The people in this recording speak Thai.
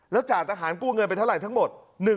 แล้วจ่าทหารกู้เงินไปเท่าไหร่ทั้งหมด